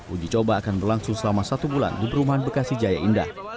uji coba akan berlangsung selama satu bulan di perumahan bekasi jaya indah